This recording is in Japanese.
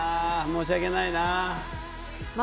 申し訳ないな。